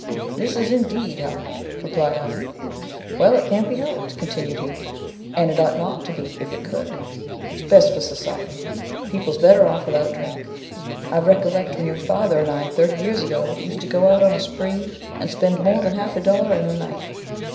'This is indeed hard,' replied I; 'Well, it can't be helped,' continued he: 'and it ought not to be if it could. It's best for society; people's better off without drink. I recollect when your father and I, thirty years ago, used to go out on a spree and spend more than half a dollar in a night.